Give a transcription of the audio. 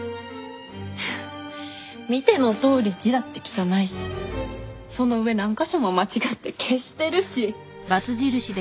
見てのとおり字だって汚いしその上何カ所も間違って消してるし。